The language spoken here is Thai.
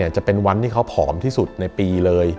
จะเป็นวันที่เขาผอมที่สุดในปีเลย